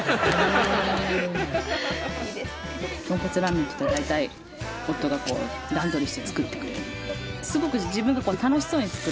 豚骨ラーメンっていうと大体夫が段取りして作ってくれる。